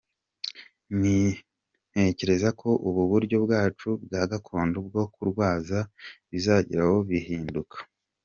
Ntekereza ko ubu buryo bwacu bwa gakondo bwo kurwaza bizageraho bihinduka.